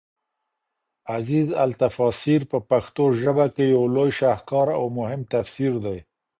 عزيز التفا سير په پښتو ژبه کي يو لوى شهکار اومهم تفسير دی